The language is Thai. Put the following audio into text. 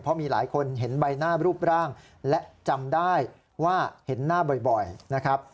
เพราะมีหลายคนเห็นใบหน้ารูปร่างและจำได้ว่าเห็นหน้าบ่อยนะครับ